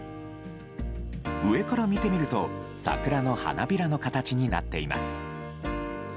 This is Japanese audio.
上から見てみると桜の花びらの形になっています。